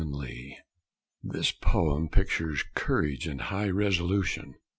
COLUMBUS This poem pictures courage and high resolution.